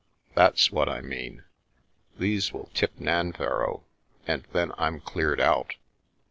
" That's what I mean. These will tip Nanverrow, and then I'm cleared out."